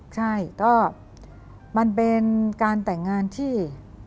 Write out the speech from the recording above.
ใช่ก็มันเป็นการแต่งงานที่